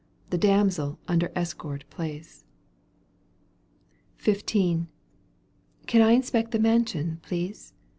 The damsel under escort place. XV. " Can I inspect the mansion, please